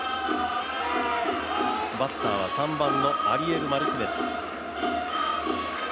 バッターは３番のアリエル・マルティネス。